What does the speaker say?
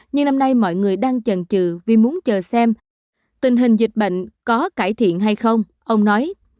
như năm nay mọi người đang chần trừ vì muốn chờ xem tình hình dịch bệnh có cải thiện hay không ông nói